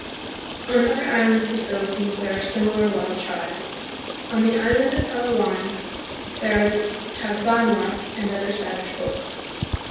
On other islands of the Philippines there are similar wild tribes. On the island of Palawan there are the Tag banwas and other savage folk.